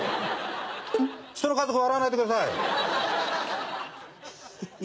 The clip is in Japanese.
人の家族を笑わないでください。